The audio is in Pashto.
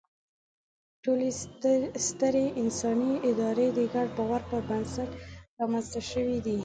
ټولې سترې انساني ادارې د ګډ باور پر بنسټ رامنځ ته شوې دي.